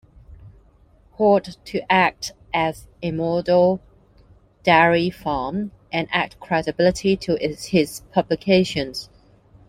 Hoard to act as a model dairy farm and add credibility to his publication.